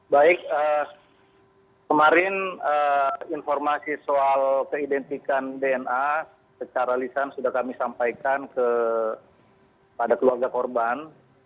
baik kemarin informasi soal keidentikan dna secara lisan sudah kami sampaikan kepada keluarga korban